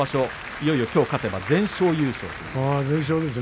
いよいよきょう勝てば全勝優勝です。